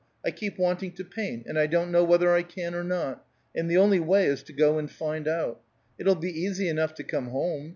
I keep wanting to paint, and I don't know whether I can or not, and the only way is to go and find out. It'll be easy enough to come home.